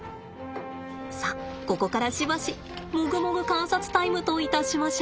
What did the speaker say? さっここからしばしモグモグ観察タイムといたしましょう。